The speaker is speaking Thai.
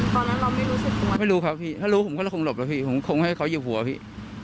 ตอนนั้นเราไม่รู้สึกตัวไม่รู้ครับพี่ถ้ารู้ผมก็เลยคงหลบแล้วพี่ผมคงให้เขาหยิบหัวพี่